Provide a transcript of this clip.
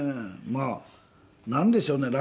まあなんでしょうね。